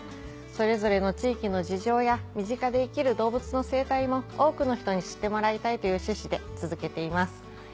それぞれの地域の事情や身近で生きる動物の生態も多くの人に知ってもらいたいという趣旨で続けています。